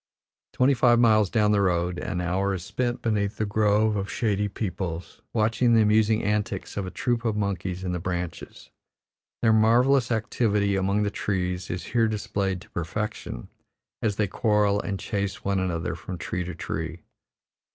Twenty five miles down the road, an hour is spent beneath a grove of shady peepuls, watching the amusing antics of a troop of monkeys in the branches. Their marvellous activity among the trees is here displayed to perfection, as they quarrel and chase one another from tree to tree.